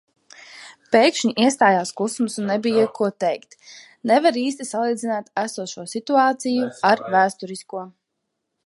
Pēkšņi iestājās klusums un nebija, ko teikt. Nevar īsti salīdzināt esošo situāciju ar vēsturisko.